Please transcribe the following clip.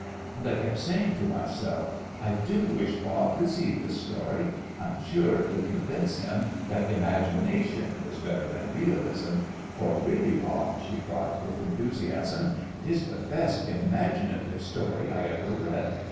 And I kept saying to myself, 'I do wish Bob could see this story. I'm sure it would convince him that imagination is better than realism'; for really, Bob," she cried, with enthusiasm, "it is the best imaginative story I ever read.